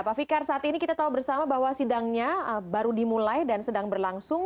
pak fikar saat ini kita tahu bersama bahwa sidangnya baru dimulai dan sedang berlangsung